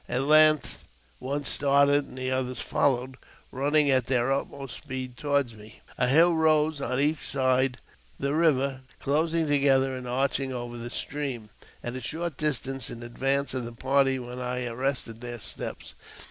At length one started, and the others followed, running at their utmost speed toward me. A hill rose on each side the river, closing together and arching over the stream, at a short distance in advance of the party when I arrested their steps.